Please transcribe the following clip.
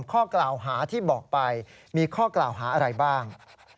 ข้อกล่าวหาที่บอกไปมีข้อกล่าวหาอะไรบ้าง